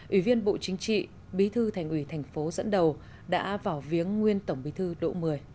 ủy viên bộ chính trị bí thư thành ủy tp dẫn đầu đã vào viếng nguyên tổng bí thư đỗ một mươi